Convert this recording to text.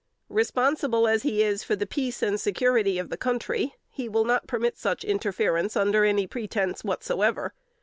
Responsible as he is for the peace and security of the country, he will not permit such interference under any pretense whatsoever.